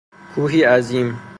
کوهی عظیم